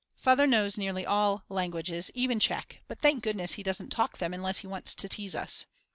Father knows nearly all languages, even Czech, but thank goodness he doesn't talk them unless he wants to tease us.